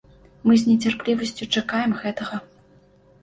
Мы з нецярплівасцю чакаем гэтага.